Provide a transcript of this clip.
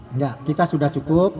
enggak kita sudah cukup